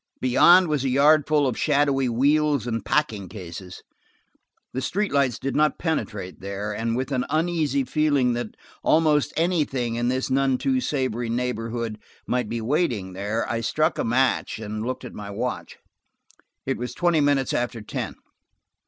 Beyond was a yard full of shadowy wheels and packing cases; the street lights did not penetrate there, and with an uneasy feeling that almost anything, in this none too savory neighborhood, might be waiting there, I struck a match and looked at my watch. It was twenty minutes after ten.